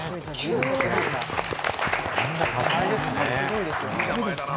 みんな多彩ですね。